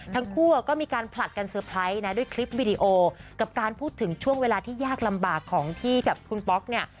ทั้งคู่ก็มีการผลัดกันเตอร์ไพรส์นะด้วยคลิปวิดีโอกับการพูดถึงช่วงเวลาที่ยากลำบากของที่กับคุณป๊อกเนี่ย